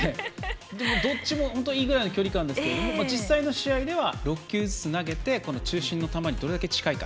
どっちもいいぐらいの距離感ですが、実際の試合では６球ずつ投げて中心の球にどれだけ近いか。